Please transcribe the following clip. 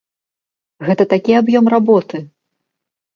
Гэта такі аб'ём работы!